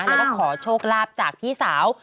แล้วก็ขอโชคลาภจากพี่สาว